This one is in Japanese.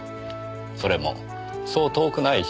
それもそう遠くない将来に。